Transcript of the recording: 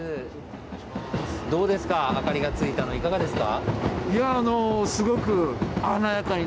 どうですか、明かりがついたの、いかがですか？